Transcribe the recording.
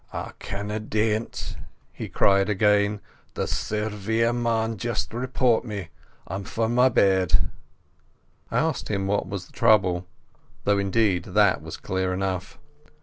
"I canna dae't," he cried again. "The Surveyor maun just report me. I'm for my bed." I asked him what was the trouble, though indeed that was clear enough.